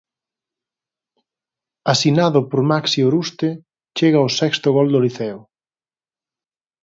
Asinado por Maxi Oruste, chega o sexto gol do Liceo.